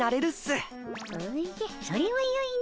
おじゃそれはよいの。